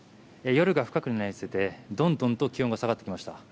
夜が深くなるにつれてどんどんと気温が下がってきました。